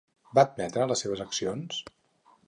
Va admetre les seves accions?